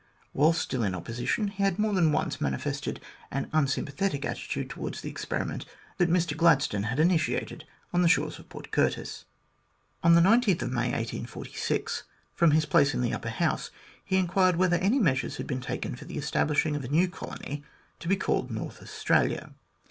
While still in Opposition, he had more than once manifested an unsympathetic attitude towards the experiment that Mr Gladstone had initiated on the shores of Port Curtis. On May 19, 1846, from his place in the Upper House, he inquired whether any measures had been taken for establish ing a new colony to be called North Australia.